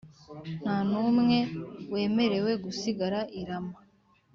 nta n umwe wemerewe gusigara i Rama.